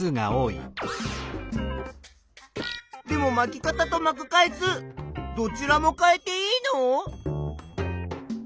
でもまき方とまく回数どちらも変えていいの？